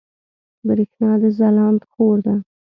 برېښنا د ځلاند خور ده